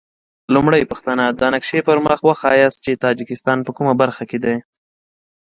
لومړۍ پوښتنه: د نقشې پر مخ وښایاست چې تاجکستان په کومه برخه کې دی؟